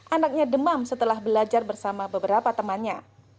anaknya demam setelah belajar bersama beberapa temannya